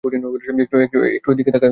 একটু এদিকে তাকাবেন, প্লিজ?